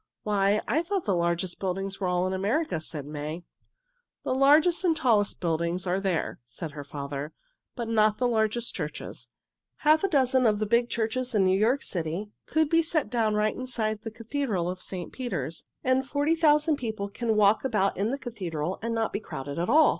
"Why, I thought the largest buildings were all in America," said May. "The largest and tallest business buildings are there," said her father, "but not the largest churches. Half a dozen of the big churches in New York City could be set down right inside the Cathedral of St. Peter's, and forty thousand people can walk about in the Cathedral and not be crowded at all."